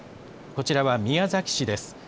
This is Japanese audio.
こちらは宮崎市です。